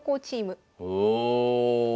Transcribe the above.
おお。